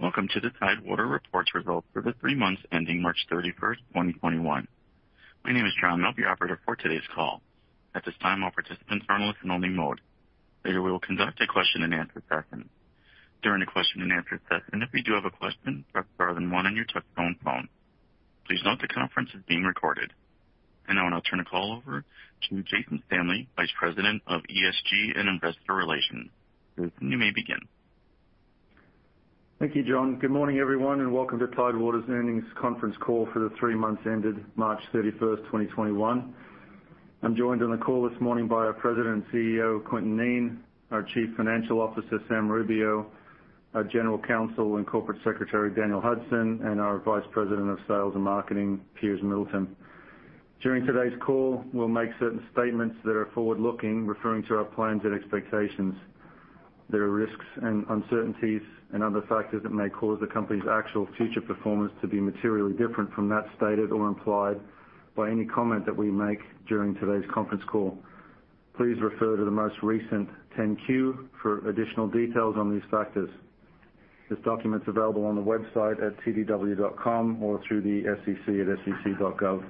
Welcome to the Tidewater Reports Results for the three months ending March 31st, 2021. My name is John, I'll be your operator for today's call. At this time, all participants are in listen-only mode. Later, we will conduct a question-and-answer session. During the question-and-answer session, if you do have a question, press star then one on your touchtone phone. Please note the conference is being recorded. Now I'll turn the call over to Jason Stanley, Vice President of ESG and Investor Relations. Jason, you may begin. Thank you, John. Good morning, everyone, Welcome to Tidewater's Earnings Conference Call for the three months ended March 31st, 2021. I'm joined on the call this morning by our President and CEO, Quintin Kneen, our Chief Financial Officer, Sam Rubio, our General Counsel and Corporate Secretary, Daniel Hudson, and our Vice President of Sales and Marketing, Piers Middleton. During today's call, we'll make certain statements that are forward-looking, referring to our plans and expectations. There are risks and uncertainties and other factors that may cause the company's actual future performance to be materially different from that stated or implied by any comment that we make during today's conference call. Please refer to the most recent 10-Q for additional details on these factors. This document is available on the website at tdw.com or through the SEC at sec.gov.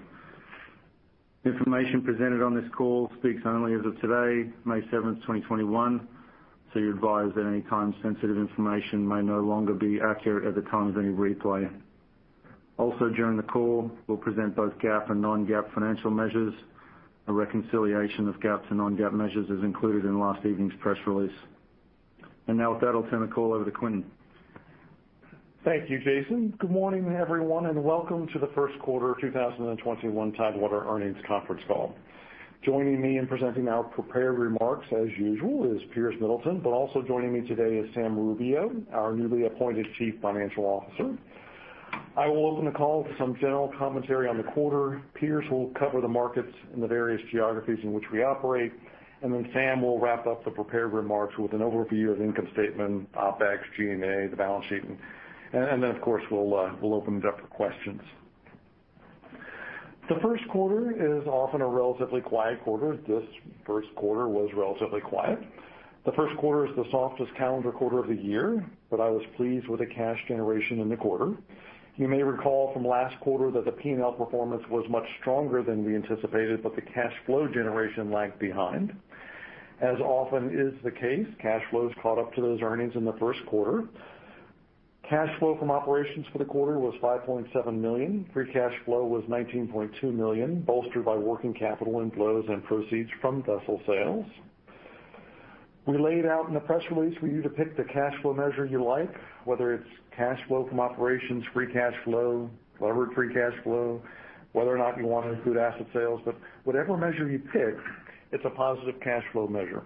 Information presented on this call speaks only as of today, May 7th, 2021, so you're advised that any time-sensitive information may no longer be accurate at the time of any replay. During the call, we'll present both GAAP and non-GAAP financial measures. A reconciliation of GAAP and non-GAAP measures is included in last evening's press release. Now with that, I'll turn the call over to Quintin. Thank you, Jason. Good morning, everyone, and welcome to the First Quarter 2021 Tidewater Earnings Conference Call. Joining me in presenting our prepared remarks, as usual, is Piers Middleton, but also joining me today is Sam Rubio, our newly appointed Chief Financial Officer. I will open the call with some general commentary on the quarter. Piers will cover the markets in the various geographies in which we operate, and then Sam will wrap up the prepared remarks with an overview of income statement, OpEx, G&A, the balance sheet, and then, of course, we'll open it up for questions. The first quarter is often a relatively quiet quarter. This first quarter was relatively quiet. The first quarter is the softest calendar quarter of the year, but I was pleased with the cash generation in the quarter. You may recall from last quarter that the P&L performance was much stronger than we anticipated, but the cash flow generation lagged behind. As often is the case, cash flows caught up to those earnings in the first quarter. Cash flow from operations for the quarter was $5.7 million. Free cash flow was $19.2 million, bolstered by working capital inflows and proceeds from vessel sales. We laid out in the press release for you to pick the cash flow measure you like, whether it's cash flow from operations, free cash flow, levered free cash flow, whether or not you want to include asset sales. Whatever measure you pick, it's a positive cash flow measure.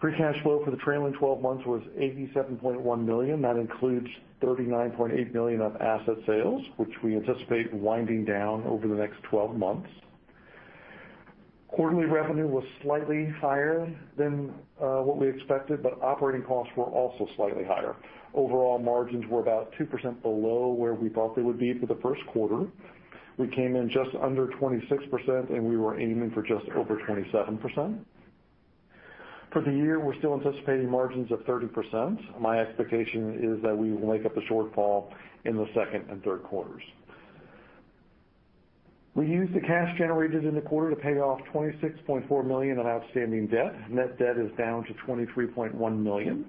Free cash flow for the trailing 12 months was $87.1 million. That includes $39.8 million of asset sales, which we anticipate winding down over the next 12 months. Quarterly revenue was slightly higher than what we expected, but operating costs were also slightly higher. Overall margins were about 2% below where we thought they would be for the first quarter. We came in just under 26%, and we were aiming for just over 27%. For the year, we're still anticipating margins of 30%. My expectation is that we will make up the shortfall in the second and third quarters. We used the cash generated in the quarter to pay off $26.4 million of outstanding debt. Net debt is down to $23.1 million.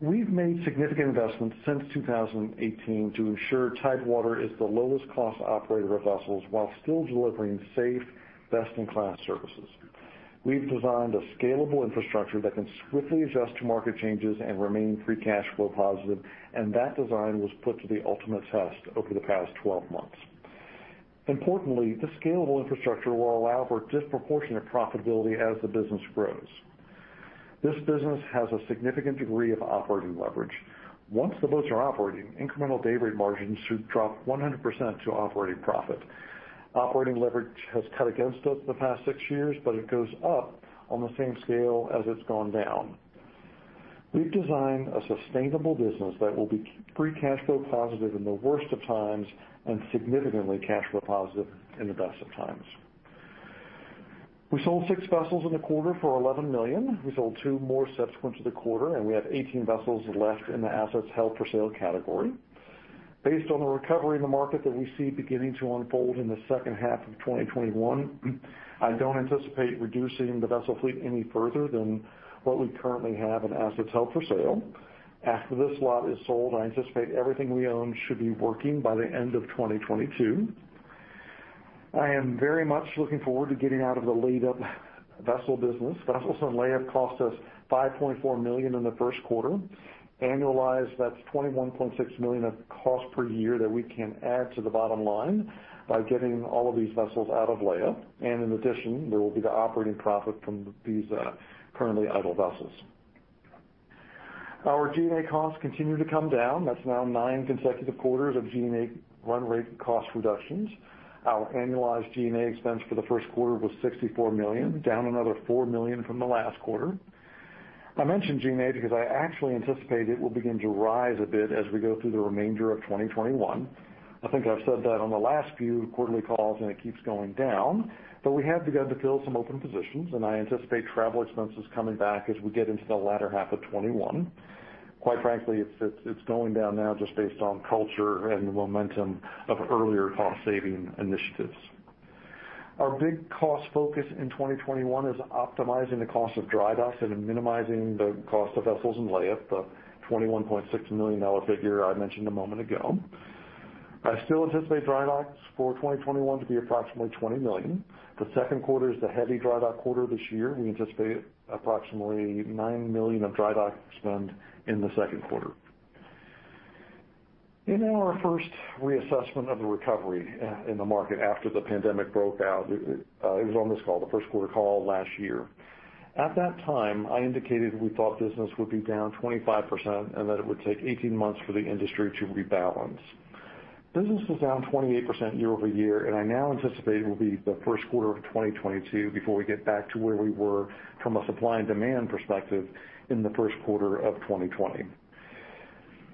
We've made significant investments since 2018 to ensure Tidewater is the lowest cost operator of vessels while still delivering safe, best-in-class services. We've designed a scalable infrastructure that can swiftly adjust to market changes and remain free cash flow positive, and that design was put to the ultimate test over the past 12 months. Importantly, the scalable infrastructure will allow for disproportionate profitability as the business grows. This business has a significant degree of operating leverage. Once the boats are operating, incremental dayrate margins should drop 100% to operating profit. Operating leverage has cut against us the past six years, but it goes up on the same scale as it's gone down. We've designed a sustainable business that will be free cash flow positive in the worst of times and significantly cash flow positive in the best of times. We sold six vessels in the quarter for $11 million. We sold two more subsequent to the quarter, and we have 18 vessels left in the assets held for sale category. Based on the recovery in the market that we see beginning to unfold in the second half of 2021, I don't anticipate reducing the vessel fleet any further than what we currently have in assets held for sale. After this lot is sold, I anticipate everything we own should be working by the end of 2022. I am very much looking forward to getting out of the layup vessel business. Vessels on layup cost us $5.4 million in the first quarter. Annualized, that's $21.6 million of cost per year that we can add to the bottom line by getting all of these vessels out of layup. In addition, there will be the operating profit from these currently idle vessels. Our G&A costs continue to come down. That's now nine consecutive quarters of G&A run rate cost reductions. Our annualized G&A expense for the first quarter was $64 million, down another $4 million from the last quarter. I mention G&A because I actually anticipate it will begin to rise a bit as we go through the remainder of 2021. I think I've said that on the last few quarterly calls and it keeps going down, but we have begun to fill some open positions, and I anticipate travel expenses coming back as we get into the latter half of 2021. Quite frankly, it's going down now just based on culture and the momentum of earlier cost-saving initiatives. Our big cost focus in 2021 is optimizing the cost of dry docks and minimizing the cost of vessels in lay-up, the $21.6 million figure I mentioned a moment ago. I still anticipate dry docks for 2021 to be approximately $20 million. The second quarter is the heavy dry dock quarter this year. We anticipate approximately $9 million of dry dock spend in the second quarter. In our first reassessment of the recovery in the market after the pandemic broke out, it was on this call, the first quarter call last year. At that time, I indicated we thought business would be down 25% and that it would take 18 months for the industry to rebalance. Business was down 28% year-over-year, and I now anticipate it will be the first quarter of 2022 before we get back to where we were from a supply and demand perspective in the first quarter of 2020.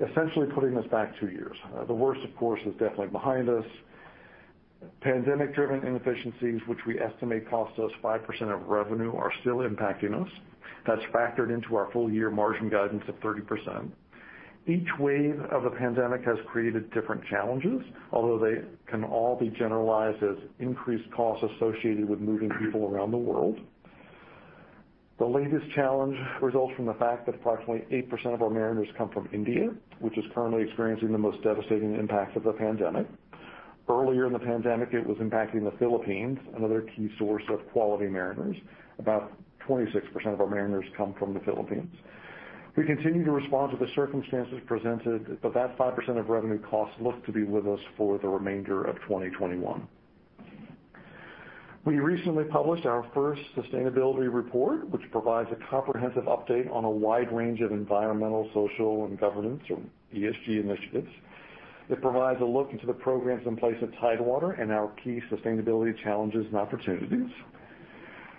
Essentially putting us back two years. The worst, of course, is definitely behind us. Pandemic-driven inefficiencies, which we estimate cost us 5% of revenue, are still impacting us. That's factored into our full-year margin guidance of 30%. Each wave of the pandemic has created different challenges, although they can all be generalized as increased costs associated with moving people around the world. The latest challenge results from the fact that approximately 8% of our mariners come from India, which is currently experiencing the most devastating impact of the pandemic. Earlier in the pandemic, it was impacting the Philippines, another key source of quality mariners. About 26% of our mariners come from the Philippines. We continue to respond to the circumstances presented, but that 5% of revenue costs look to be with us for the remainder of 2021. We recently published our first sustainability report, which provides a comprehensive update on a wide range of environmental, social, and governance or ESG initiatives. It provides a look into the programs in place at Tidewater and our key sustainability challenges and opportunities.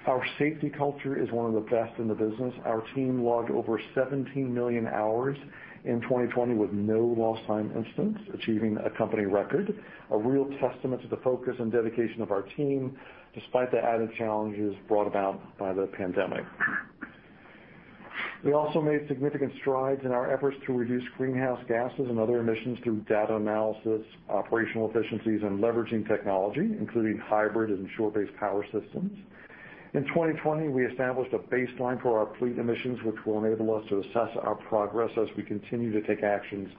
Our safety culture is one of the best in the business. Our team logged over 17 million hours in 2020 with no lost time incident, achieving a company record. A real testament to the focus and dedication of our team, despite the added challenges brought about by the pandemic. We also made significant strides in our efforts to reduce greenhouse gases and other emissions through data analysis, operational efficiencies, and leveraging technology, including hybrid and shore-based power systems. In 2020, we established a baseline for our fleet emissions, which will enable us to assess our progress as we continue to take actions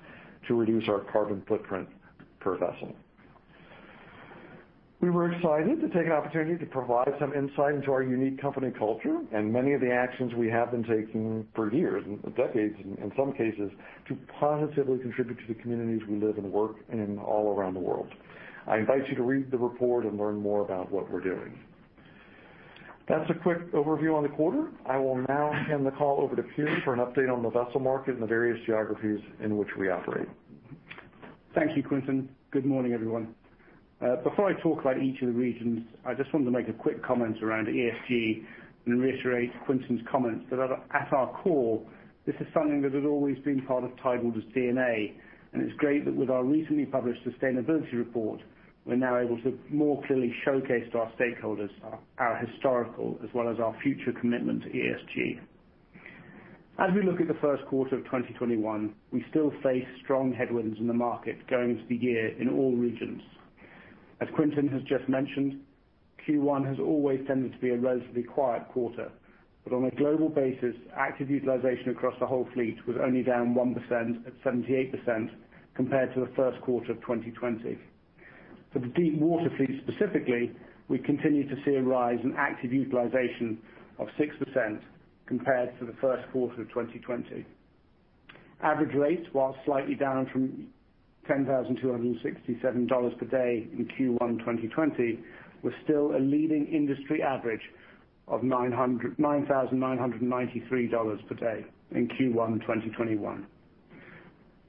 to reduce our carbon footprint per vessel. We were excited to take an opportunity to provide some insight into our unique company culture and many of the actions we have been taking for years, and decades in some cases, to positively contribute to the communities we live and work in all around the world. I invite you to read the report and learn more about what we're doing. That's a quick overview on the quarter. I will now hand the call over to Piers for an update on the vessel market and the various geographies in which we operate. Thank you, Quintin. Good morning, everyone. Before I talk about each of the regions, I just wanted to make a quick comment around ESG and reiterate Quintin's comments that at our core, this is something that has always been part of Tidewater's DNA, and it's great that with our recently published sustainability report, we're now able to more clearly showcase to our stakeholders our historical as well as our future commitment to ESG. As we look at the first quarter of 2021, we still face strong headwinds in the market going into the year in all regions. As Quintin has just mentioned, Q1 has always tended to be a relatively quiet quarter, but on a global basis, active utilization across the whole fleet was only down 1% at 78% compared to the first quarter of 2020. For the deep water fleet specifically, we continue to see a rise in active utilization of 6% compared to the first quarter of 2020. Average rates, while slightly down from $10,267/day in Q1 2020, was still a leading industry average of $9,993/day in Q1 2021.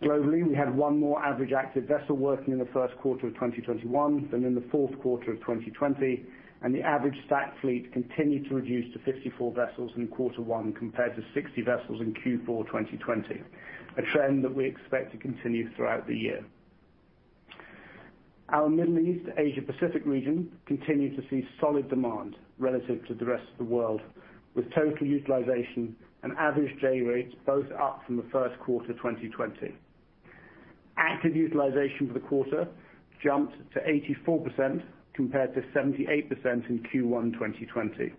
Globally, we had one more average active vessel working in the first quarter of 2021 than in the fourth quarter of 2020, and the average stack fleet continued to reduce to 54 vessels in quarter one compared to 60 vessels in Q4 2020, a trend that we expect to continue throughout the year. Our Middle East Asia Pacific region continued to see solid demand relative to the rest of the world, with total utilization and average day rates both up from the first quarter 2020. Active utilization for the quarter jumped to 84% compared to 78% in Q1 2020.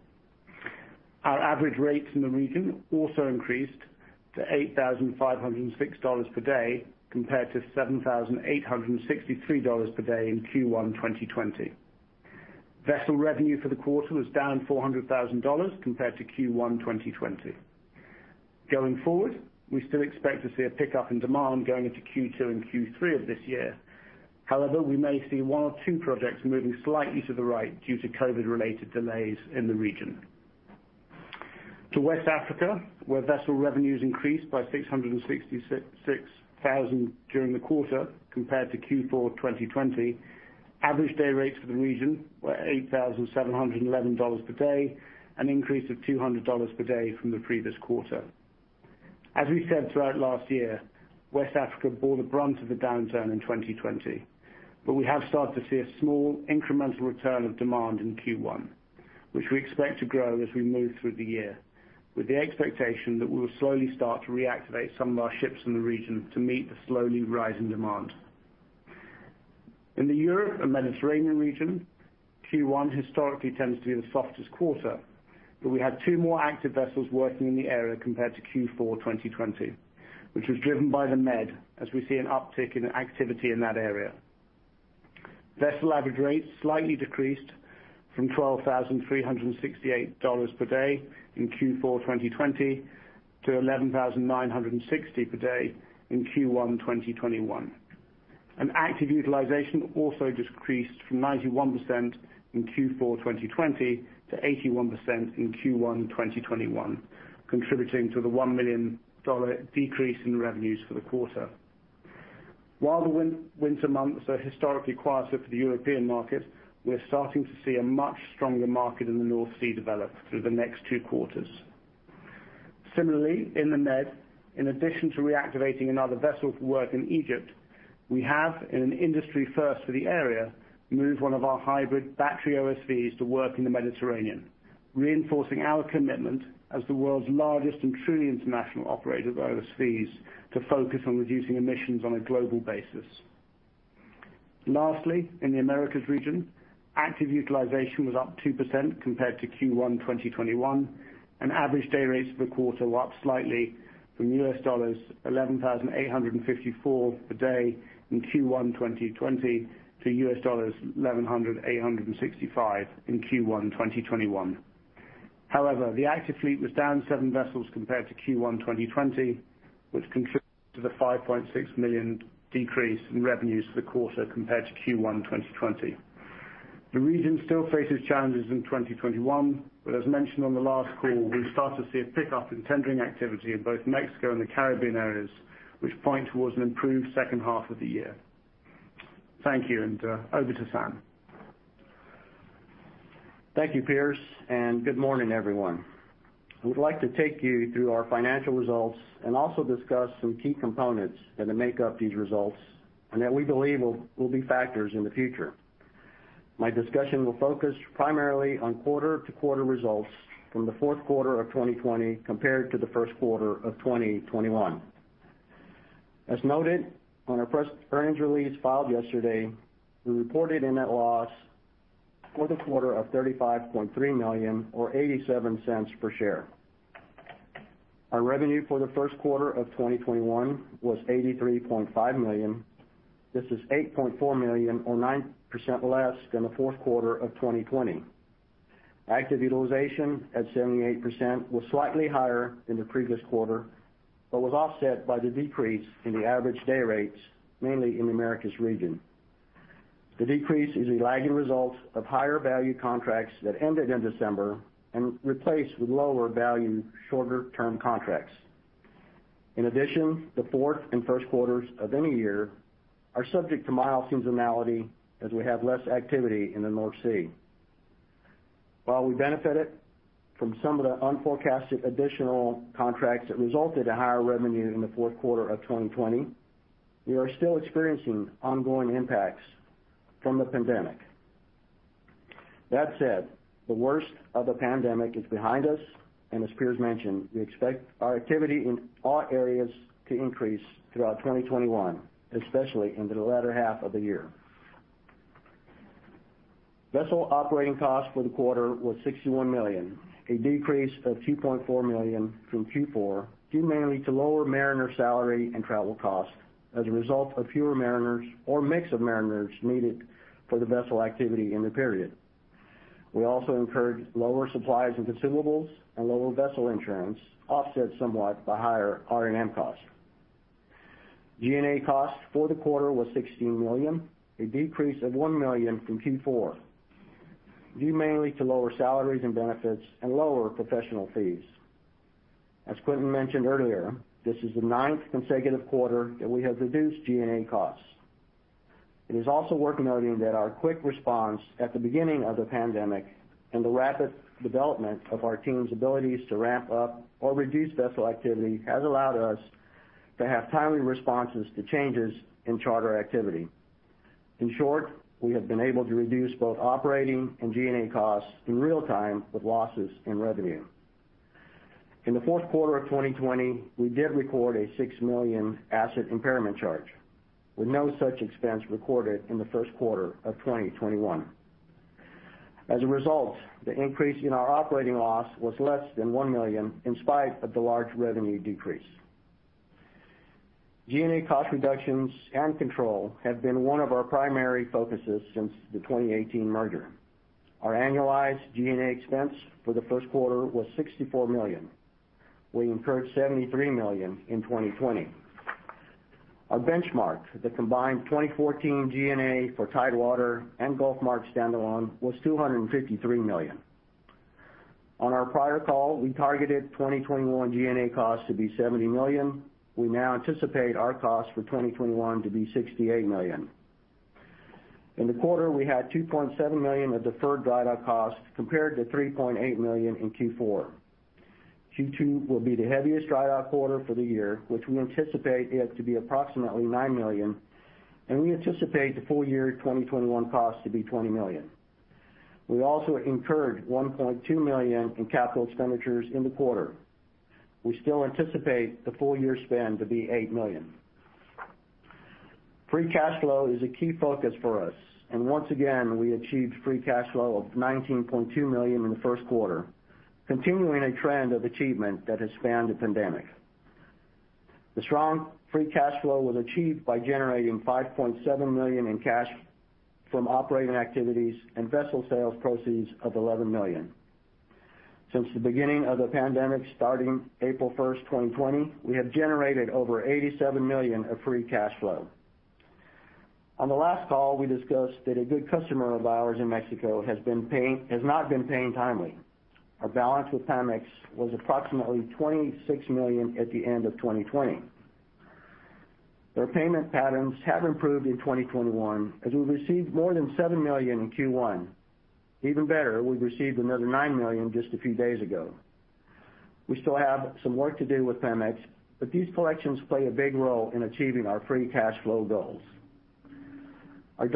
Our average rates in the region also increased to $8,506/day compared to $7,863/day in Q1 2020. Vessel revenue for the quarter was down $400,000 compared to Q1 2020. Going forward, we still expect to see a pickup in demand going into Q2 and Q3 of this year. However, we may see one or two projects moving slightly to the right due to COVID-related delays in the region. To West Africa, where vessel revenues increased by $666,000 during the quarter compared to Q4 2020. Average day rates for the region were $8,711/day, an increase of $200/day from the previous quarter. As we said throughout last year, West Africa bore the brunt of the downturn in 2020, but we have started to see a small incremental return of demand in Q1. Which we expect to grow as we move through the year, with the expectation that we will slowly start to reactivate some of our ships in the region to meet the slowly rising demand. In the Europe and Mediterranean region, Q1 historically tends to be the softest quarter, but we had two more active vessels working in the area compared to Q4 2020, which was driven by the Med, as we see an uptick in activity in that area. Vessel average rates slightly decreased from $12,368/day in Q4 2020 to $11,960/day in Q1 2021. Active utilization also decreased from 91% in Q4 2020 to 81% in Q1 2021, contributing to the $1 million decrease in revenues for the quarter. While the winter months are historically quieter for the European market, we're starting to see a much stronger market in the North Sea develop through the next two quarters. Similarly, in the Med, in addition to reactivating another vessel to work in Egypt, we have, in an industry first for the area, moved one of our hybrid battery OSVs to work in the Mediterranean, reinforcing our commitment as the world's largest and truly international operator of OSVs to focus on reducing emissions on a global basis. Lastly, in the Americas region, active utilization was up 2% compared to Q1 2021, and average day rates for the quarter were up slightly from $11,854/day in Q1 2020 to $11,865/day in Q1 2021. However, the active fleet was down seven vessels compared to Q1 2020, which contributed to the $5.6 million decrease in revenues for the quarter compared to Q1 2020. The region still faces challenges in 2021, but as mentioned on the last call, we start to see a pickup in tendering activity in both Mexico and the Caribbean areas, which point towards an improved second half of the year. Thank you, and over to Sam. Thank you, Piers, and good morning, everyone. I would like to take you through our financial results and also discuss some key components that make up these results and that we believe will be factors in the future. My discussion will focus primarily on quarter-to-quarter results from the fourth quarter of 2020 compared to the first quarter of 2021. As noted on our press earnings release filed yesterday, we reported a net loss for the quarter of $35.3 million, or $0.87 per share. Our revenue for the first quarter of 2021 was $83.5 million. This is $8.4 million, or 9% less than the fourth quarter of 2020. Active utilization at 78% was slightly higher than the previous quarter, but was offset by the decrease in the average day rates, mainly in the Americas region. The decrease is a lagging result of higher value contracts that ended in December and replaced with lower value, shorter term contracts. In addition, the fourth and first quarters of any year are subject to mild seasonality, as we have less activity in the North Sea. While we benefited from some of the unforecasted additional contracts that resulted in higher revenue in the fourth quarter of 2020, we are still experiencing ongoing impacts from the pandemic. That said, the worst of the pandemic is behind us, and as Piers mentioned, we expect our activity in all areas to increase throughout 2021, especially into the latter half of the year. Vessel operating costs for the quarter was $61 million, a decrease of $2.4 million from Q4, due mainly to lower mariner salary and travel costs as a result of fewer mariners or mix of mariners needed for the vessel activity in the period. We also incurred lower supplies and consumables and lower vessel insurance, offset somewhat by higher R&M costs. G&A costs for the quarter was $16 million, a decrease of $1 million from Q4, due mainly to lower salaries and benefits and lower professional fees. As Quintin mentioned earlier, this is the ninth consecutive quarter that we have reduced G&A costs. It is also worth noting that our quick response at the beginning of the pandemic and the rapid development of our team's abilities to ramp up or reduce vessel activity has allowed us to have timely responses to changes in charter activity. In short, we have been able to reduce both operating and G&A costs in real time with losses in revenue. In the fourth quarter of 2020, we did record a $6 million asset impairment charge, with no such expense recorded in the first quarter of 2021. As a result, the increase in our operating loss was less than $1 million in spite of the large revenue decrease. G&A cost reductions and control have been one of our primary focuses since the 2018 merger. Our annualized G&A expense for the first quarter was $64 million. We incurred $73 million in 2020. Our benchmark for the combined 2014 G&A for Tidewater and GulfMark standalone was $253 million. On our prior call, we targeted 2021 G&A costs to be $70 million. We now anticipate our cost for 2021 to be $68 million. In the quarter, we had $2.7 million of deferred dry dock costs, compared to $3.8 million in Q4. Q2 will be the heaviest dry dock quarter for the year, which we anticipate it to be approximately $9 million, and we anticipate the full year 2021 cost to be $20 million. We also incurred $1.2 million in capital expenditures in the quarter. We still anticipate the full year spend to be $8 million. Free cash flow is a key focus for us, and once again, we achieved free cash flow of $19.2 million in the first quarter, continuing a trend of achievement that has spanned the pandemic. The strong free cash flow was achieved by generating $5.7 million in cash from operating activities and vessel sales proceeds of $11 million. Since the beginning of the pandemic, starting April 1st, 2020, we have generated over $87 million of free cash flow. On the last call, we discussed that a good customer of ours in Mexico has not been paying timely. Our balance with Pemex was approximately $26 million at the end of 2020. Their payment patterns have improved in 2021 as we received more than $7 million in Q1. Even better, we received another $9 million just a few days ago. We still have some work to do with Pemex, these collections play a big role in achieving our free cash flow goals. Based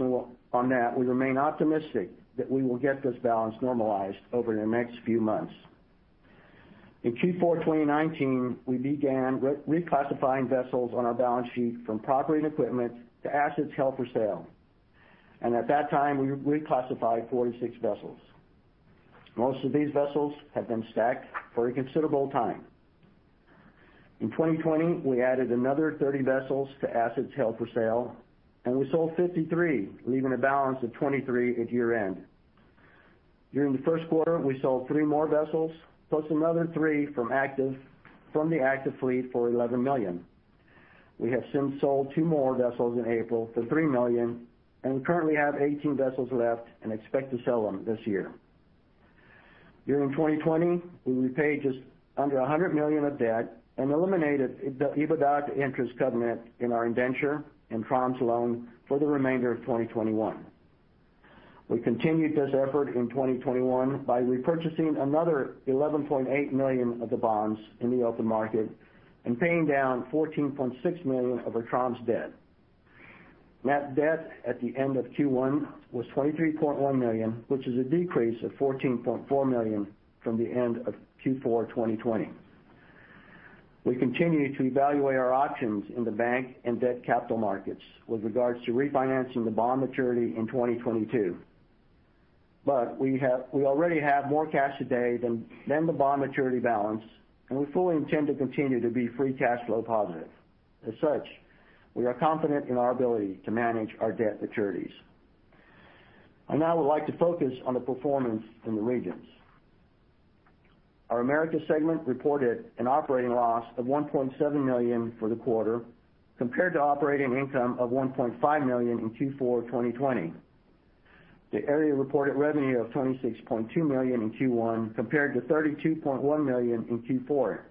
on that, we remain optimistic that we will get this balance normalized over the next few months. In Q4 2019, we began reclassifying vessels on our balance sheet from property and equipment to assets held for sale. At that time, we reclassified 46 vessels. Most of these vessels have been stacked for a considerable time. In 2020, we added another 30 vessels to assets held for sale, and we sold 53, leaving a balance of 23 at year-end. During the first quarter, we sold three more vessels, plus another three from the active fleet for $11 million. We have since sold two more vessels in April for $3 million, and we currently have 18 vessels left and expect to sell them this year. During 2020, we repaid just under $100 million of debt and eliminated the EBITDA interest covenant in our indenture and Troms loan for the remainder of 2021. We continued this effort in 2021 by repurchasing another $11.8 million of the bonds in the open market and paying down $14.6 million of our Troms debt. Net debt at the end of Q1 was $23.1 million, which is a decrease of $14.4 million from the end of Q4 2020. We continue to evaluate our options in the bank and debt capital markets with regards to refinancing the bond maturity in 2022. We already have more cash today than the bond maturity balance, and we fully intend to continue to be free cash flow positive. As such, we are confident in our ability to manage our debt maturities. I now would like to focus on the performance in the regions. Our Americas segment reported an operating loss of $1.7 million for the quarter compared to operating income of $1.5 million in Q4 2020. The area reported revenue of $26.2 million in Q1 compared to $32.1 million in Q4.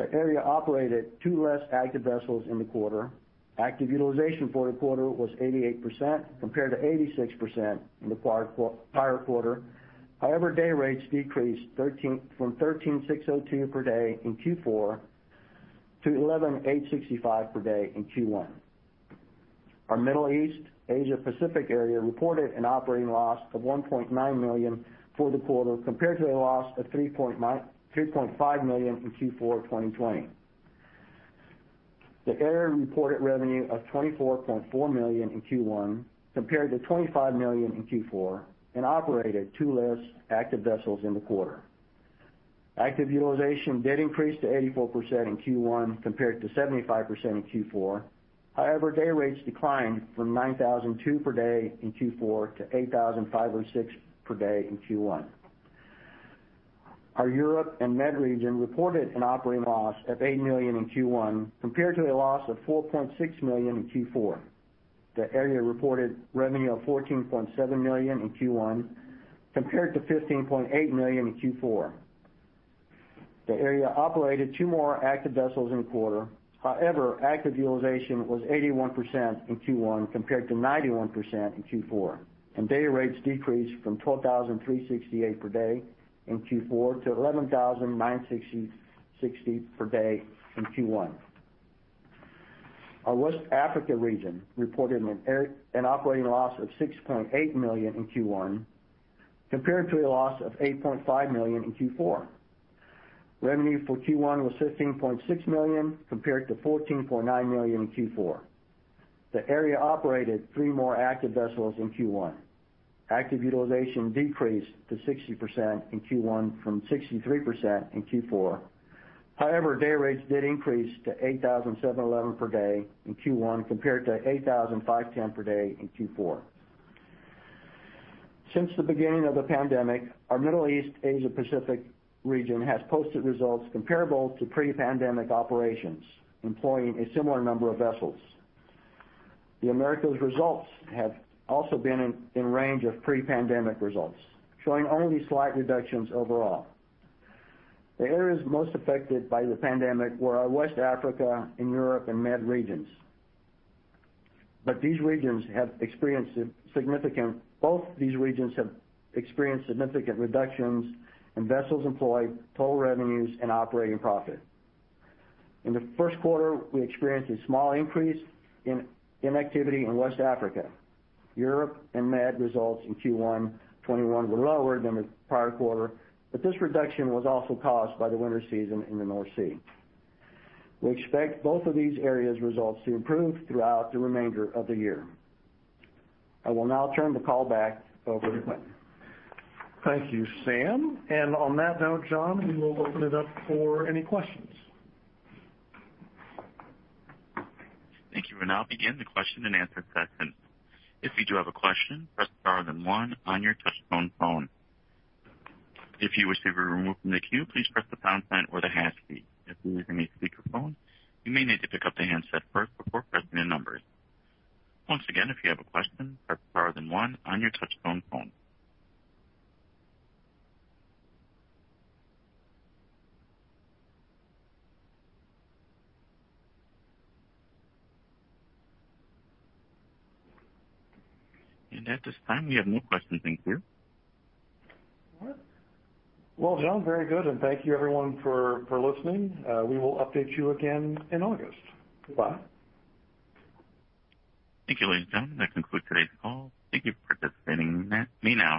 The area operated two less active vessels in the quarter. Active utilization for the quarter was 88% compared to 86% in the prior quarter. However, day rates decreased from $13,602/day in Q4 to $11,865/day in Q1. Our Middle East, Asia Pacific area reported an operating loss of $1.9 million for the quarter compared to a loss of $3.5 million in Q4 2020. The area reported revenue of $24.4 million in Q1 compared to $25 million in Q4 and operated two less active vessels in the quarter. Active utilization did increase to 84% in Q1 compared to 75% in Q4. However, day rates declined from $9,002/day in Q4 to $8,506/day in Q1. Our Europe and Med region reported an operating loss of $8 million in Q1 compared to a loss of $4.6 million in Q4. The area reported revenue of $14.7 million in Q1 compared to $15.8 million in Q4. The area operated two more active vessels in the quarter. However, active utilization was 81% in Q1 compared to 91% in Q4, and day rates decreased from $12,368/day in Q4 to $11,960/day in Q1. Our West Africa region reported an operating loss of $6.8 million in Q1 compared to a loss of $8.5 million in Q4. Revenue for Q1 was $15.6 million compared to $14.9 million in Q4. The area operated three more active vessels in Q1. Active utilization decreased to 60% in Q1 from 63% in Q4. However, day rates did increase to $8,711/day in Q1 compared to $8,510/day in Q4. Since the beginning of the pandemic, our Middle East Asia Pacific region has posted results comparable to pre-pandemic operations, employing a similar number of vessels. The Americas results have also been in range of pre-pandemic results, showing only slight reductions overall. The areas most affected by the pandemic were our West Africa and Europe and Med regions. Both these regions have experienced significant reductions in vessels employed, total revenues, and operating profit. In the first quarter, we experienced a small increase in inactivity in West Africa. Europe and Med results in Q1 2021 were lower than the prior quarter. This reduction was also caused by the winter season in the North Sea. We expect both of these areas' results to improve throughout the remainder of the year. I will now turn the call back over to Quintin Kneen. Thank you, Sam. On that note, John, we will open it up for any questions. Thank you. We'll now begin the question-and-answer session. At this time, we have no questions in queue. All right. Well, John, very good, and thank you everyone for listening. We will update you again in August. Goodbye. Thank you ladies and gentlemen. That concludes today's call. Thank you for participating. That's me now.